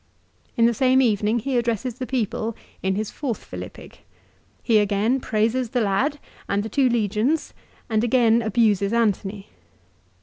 In the same evening he addresses the people in his fourth Philippic. He again praises the lad, and the two legions, and again abuses Antony.